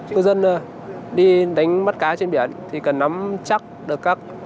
cư dân đi đánh bắt cá trên biển thì cần nắm chắc